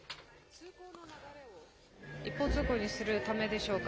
通行の流れを一方通行にするためでしょうか。